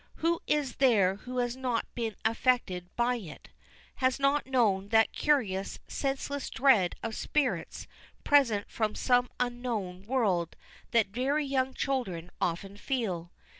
Who is there who has not been affected by it has not known that curious, senseless dread of spirits present from some unknown world that very young children often feel?